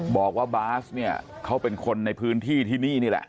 บอกว่าบาสเนี่ยเขาเป็นคนในพื้นที่ที่นี่นี่แหละ